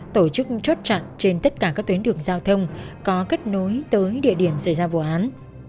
tổ chức chốt chặn trên tất cả các tuyến đường giao thông có kết nối tới địa điểm xảy ra vụ án